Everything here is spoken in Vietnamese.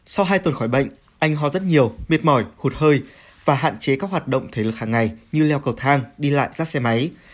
sau hai tuần khỏi bệnh anh ho rất nhiều mệt mỏi hụt hơi và hạn chế các hoạt động thể lực hàng ngày như leo cầu thang đi lại giáp xe máy